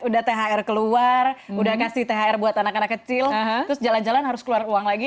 udah thr keluar udah kasih thr buat anak anak kecil terus jalan jalan harus keluar uang lagi